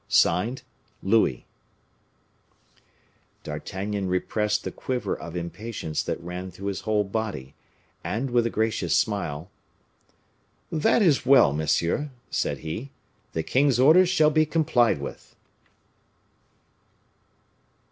Signed LOUIS." D'Artagnan repressed the quiver of impatience that ran through his whole body, and with a gracious smile: "That is well, monsieur," said he; "the king's orders shall be complied with."